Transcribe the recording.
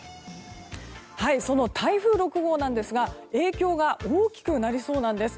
その台風６号なんですが影響が大きくなりそうなんです。